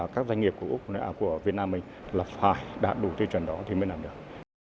các doanh nghiệp của úc của việt nam mình là phải đạt đủ tiêu chuẩn đó thì mới làm được